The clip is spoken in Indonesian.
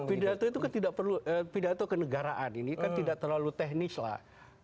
pidato itu kan tidak perlu pidato kenegaraan ini kan tidak terlalu teknis lah